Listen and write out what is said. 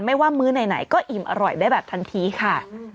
ไม่ว่ามื้อไหนก็อิ่มอร่อยได้แบบทันทีค่ะ